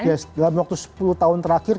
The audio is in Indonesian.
ya dalam waktu sepuluh tahun terakhir